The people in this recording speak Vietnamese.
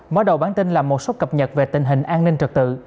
mở đầu bản tin là một số cập nhật về tình hình an ninh trật tự